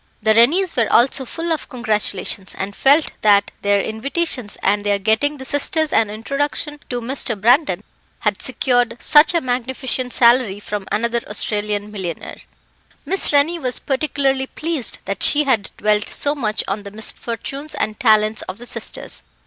The Rennies were also full of congratulations, and felt that their invitations and their getting the sisters an introduction to Mr. Brandon, had secured such a magnificent salary from another Australian millionaire. Miss Rennie was particularly pleased that she had dwelt so much on the misfortunes and talents of the sisters.